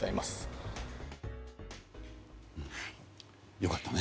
良かったね。